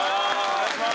お願いします